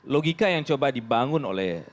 logika yang coba dibangun oleh